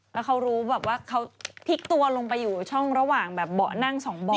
แล้วเขารู้แบบว่าเขาพลิกตัวลงไปอยู่ช่องระหว่างแบบเบาะนั่งสองเบาะ